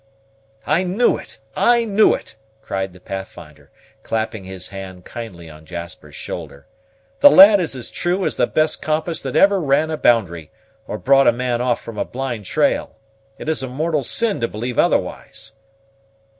"I knew it! I knew it!" cried the Pathfinder, clapping his hand kindly on Jasper's shoulder. "The lad is as true as the best compass that ever ran a boundary, or brought a man off from a blind trail. It is a mortal sin to believe otherwise."